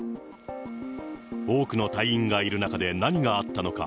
多くの隊員がいる中で何があったのか。